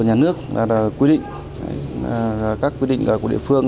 nhà nước quy định các quy định của địa phương